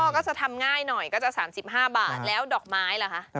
อ๋อก็จะทำง่ายหน่อยก็จะสามสิบห้าบาทแล้วดอกไม้เหรอคะ